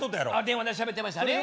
電話でしゃべってましたね。